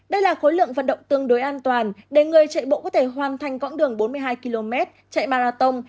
đây là khối lượng vận động tương đối an toàn để người chạy bộ có thể hoàn thành quãng đường bốn mươi hai km chạy marathon